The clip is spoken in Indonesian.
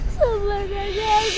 sebenarnya aku sayang sama tante